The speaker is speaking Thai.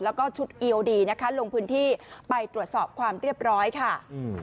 แล้วก็ชุดนะคะลงพื้นที่ไปตรวจสอบความเรียบร้อยค่ะ